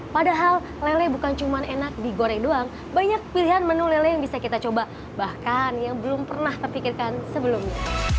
padahal lele bukan cuma enak digoreng doang banyak pilihan menu lele yang bisa kita coba bahkan yang belum pernah terpikirkan sebelumnya